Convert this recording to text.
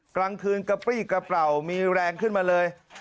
กลางคืนกระปรี้กระเปล่ามีแรงขึ้นมาเลย